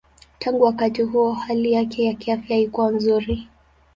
Tangu wakati huo hali yake ya kiafya haikuwa nzuri.